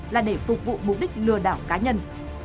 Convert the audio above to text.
là để phục vụ mục đích lừa đảo cá nhân